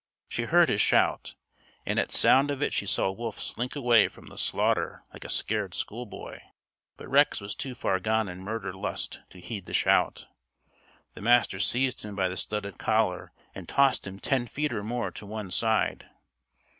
She heard his shout. And at sound of it she saw Wolf slink away from the slaughter like a scared schoolboy. But Rex was too far gone in murder lust to heed the shout. The Master seized him by the studded collar and tossed him ten feet or more to one side.